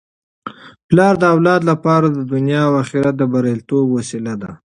پلار د اولاد لپاره د دنیا او اخرت د بریالیتوب وسیله ده.